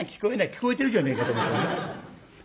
聞こえてるじゃねえかと思うんですよね。